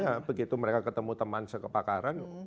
ya begitu mereka ketemu teman sekepakaran